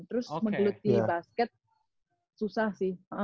terus menggelut di basket susah sih